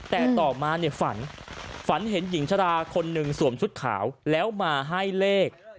แต่ต่อมาเนี่ยฝันฝันเห็นหญิงชราคนหนึ่งสวมชุดขาวแล้วมาให้เลข